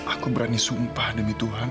aku berani sumpah demi tuhan